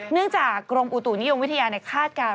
เนื่องจากโรงอุตุนิยมวิทยาในคาดการณ์